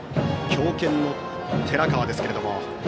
強肩の寺川ですけども。